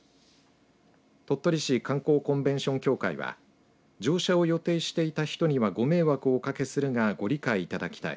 鳥取市観光コンベンション協会は乗車を予定していた人にはご迷惑をおかけするがご理解いただきたい。